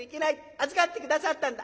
預かって下さったんだ。